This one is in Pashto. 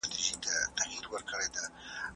زوی به په ناسم ځای کي نه پاته کېږي.